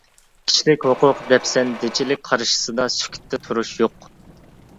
كىشىلىك ھوقۇق دەپسەندىچىلىك قارشىسىدا سۈكۈتتە تۇرۇش يوق !